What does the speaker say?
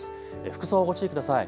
服装、ご注意ください。